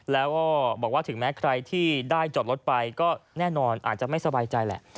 แล้วก็บอกว่าถึงแม้ใครที่ได้จอดรถไปก็แน่นอนอาจจะไม่สบายใจแหละ